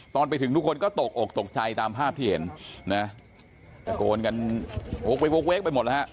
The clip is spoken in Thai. ตอนไปถึงทุกคนก็ตกอกตกใจตามภาพที่เห็นนะตะโกนกันวกเวกไปหมดแล้วฮะ